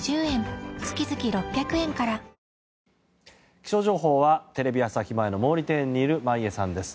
気象情報はテレビ朝日前の毛利庭園にいる眞家さんです。